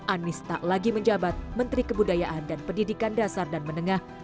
anies tak lagi menjabat menteri kebudayaan dan pendidikan dasar dan menengah